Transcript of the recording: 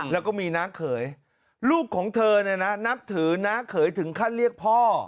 แล้วก็มีน้าเขยลูกของเธอเนี่ยนะนับถือน้าเขยถึงขั้นเรียกพ่อ